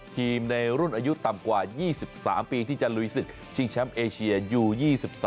ทีมในรุ่นอายุต่ำกว่า๒๓ปีที่จันรวิสุทธิ์ชิงแชมป์เอเชียอยู่๒๓ปี